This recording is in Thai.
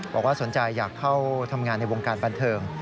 บอกว่าสนใจอยากเข้าทำงานในวงการบันเทิง